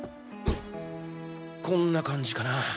こんな感じかな。